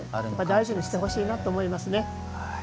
大事にしてほしいなと思いますね。